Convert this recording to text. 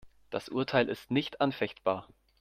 Das Urteil ist nicht anfechtbar.